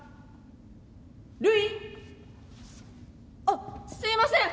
あっすいません。